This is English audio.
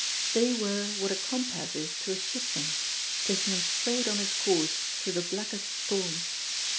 They were what a compass is to a shipman, taking him straight on his course through the blackest storms.